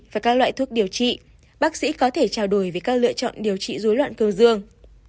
và các loại thuốc điều trị bác sĩ có thể trao đổi về các lựa chọn điều trị dối loạn cơ dương